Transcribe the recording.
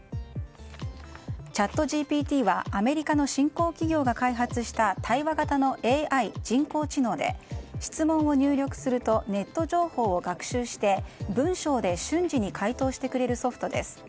チャットＧＰＴはアメリカの新興企業が開発した対話型のＡＩ・人工知能で質問を入力するとネット情報を学習して文章で瞬時に回答してくれるソフトです。